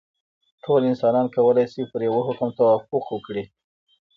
ټول انسانان کولای شي پر یوه حکم توافق وکړي.